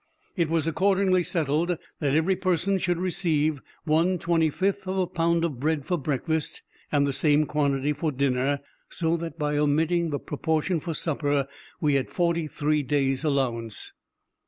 It was accordingly settled that every person should receive 1 25th of a pound of bread for breakfast, and the same quantity for dinner; so that, by omitting the proportion for supper, we had forty three days' allowance.